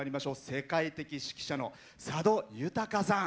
世界的指揮者の佐渡裕さん。